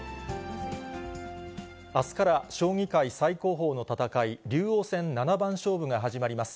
あすから将棋界最高峰の戦い、竜王戦七番勝負が始まります。